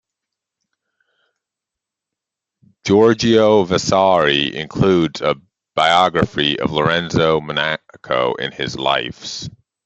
Giorgio Vasari includes a biography of Lorenzo Monaco in his "Lives".